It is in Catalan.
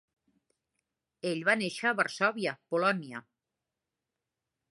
Ell va néixer a Varsòvia, Polònia.